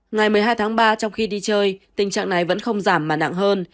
ngày một mươi hai tháng ba trong khi đi chơi tình trạng này vẫn không giảm mà nặng hơn